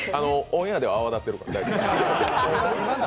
オンエアでは泡立ってるから。